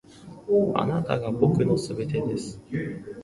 あなたが僕の全てです．